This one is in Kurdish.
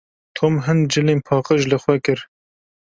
Tom hin cilên paqij li xwe kir.